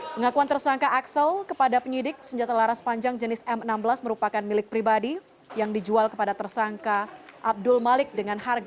pengakuan tersangka axel kepada penyidik senjata laras panjang jenis m enam belas merupakan milik pribadi yang dijual kepada tersangka abdul malik dengan harga